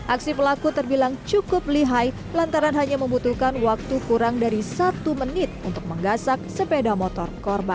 aksi pelaku terbilang cukup lihai lantaran hanya membutuhkan waktu kurang dari satu menit untuk menggasak sepeda motor korban